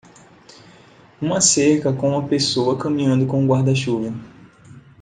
Uma cerca com uma pessoa caminhando com um guarda-chuva